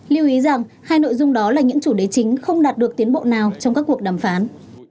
lưu ý rằng hai nội dung đó là những chủ đề chính không đạt được tiến bộ nào trong các cuộc đàm phán